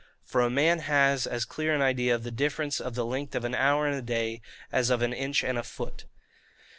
For a man has as clear an idea of the difference of the length of an hour and a day, as of an inch and a foot.